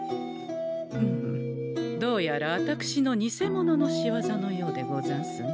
ふむどうやらあたくしのニセモノのしわざのようでござんすね。